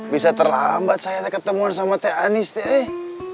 bisa terlambat saya ketemuan sama t anies tuh